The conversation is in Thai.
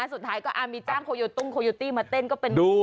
สุดท้ายก็มีจ้างโคโยตุ้งโคโยตี้มาเต้นก็เป็น